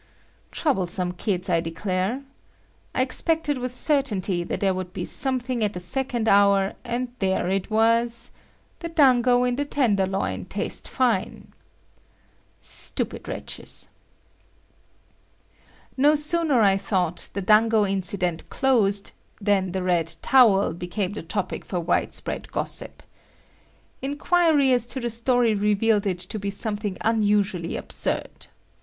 Troublesome kids! I declare. I expected with certainty that there would be something at the second hour, and there it was; "The dango in the tenderloin taste fine." Stupid wretches! No sooner I thought the dango incident closed than the red towel became the topic for widespread gossip. Inquiry as to the story revealed it to be something unusually absurd.